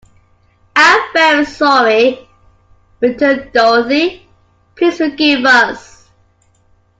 "I'm very sorry," returned Dorothy; "please forgive us."